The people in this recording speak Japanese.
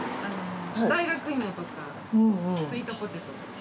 大学芋とかスイートポテトとか。